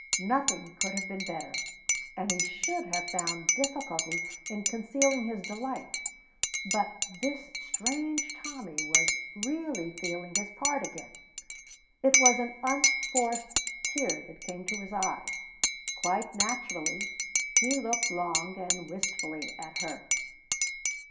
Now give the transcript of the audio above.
Nothing could have been better, and he should have found difficulty in concealing his delight; but this strange Tommy was really feeling his part again. It was an unforced tear that came to his eye. Quite naturally he looked long and wistfully at her.